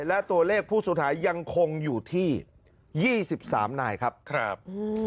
และตัวเลขผู้สูญหายยังคงอยู่ที่ยี่สิบสามนายครับครับ